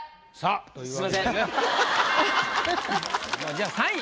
じゃあ３位。